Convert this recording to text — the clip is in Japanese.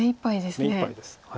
目いっぱいですね。